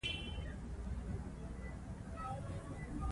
درناوی، صبر، انصاف او مهرباني د ښو اخلاقو ښکاره نښې دي.